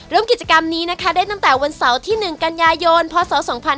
ร่วมกิจกรรมนี้นะคะได้ตั้งแต่วันเสาร์ที่๑กันยายนพศ๒๕๕๙